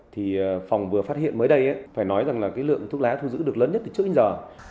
thì phòng vừa phát hiện mới đây phải nói rằng là cái lượng thuốc lá thu giữ được lớn nhất từ trước đến giờ